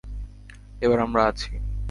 এবার আমরা আছি।